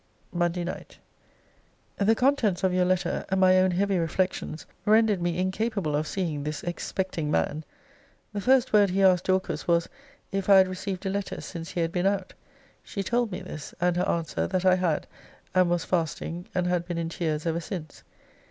MONDAY NIGHT. The contents of your letter, and my own heavy reflections, rendered me incapable of seeing this expecting man. The first word he asked Dorcas, was, If I had received a letter since he had been out? She told me this; and her answer, that I had; and was fasting, and had been in tears ever since.